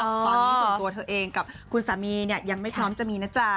ตอนนี้ส่วนตัวเธอเองกับคุณสามีเนี่ยยังไม่พร้อมจะมีนะจ๊ะ